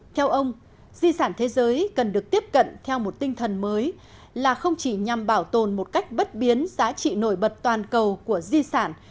theo ông di sản thế giới cần được tiếp cận theo một tinh thần mới là không chỉ nhằm bảo tồn một cách bất biến giá trị nổi bật toàn cầu của di sản